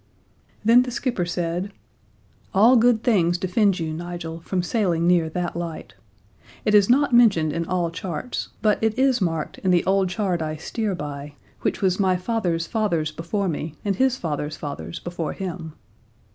Then the skipper said: "All good things defend you, Nigel, from sailing near that light. It is not mentioned in all charts; but it is marked in the old chart I steer by, which was my father's father's before me, and his father's father's before him.